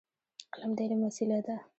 قلم د علم وسیله ده.